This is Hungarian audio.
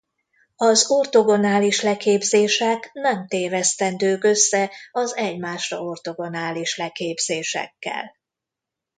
Az ortogonális leképezések nem tévesztendők össze az egymásra ortogonális leképezésekkel.